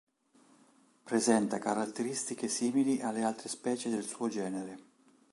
Presenta caratteristiche simili alle altre specie del suo genere.